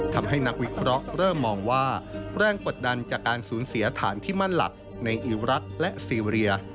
นักวิเคราะห์เริ่มมองว่าแรงกดดันจากการสูญเสียฐานที่มั่นหลักในอิรักษ์และซีเรีย